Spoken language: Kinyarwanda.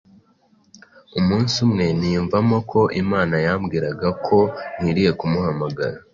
Umunsi umwe niyumvamo ko Imana yambwiraga ko nkwiriye kumuhamagara